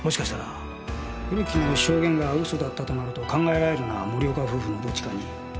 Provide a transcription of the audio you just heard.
古木の証言が嘘だったとなると考えられるのは森岡夫婦のどっちかに。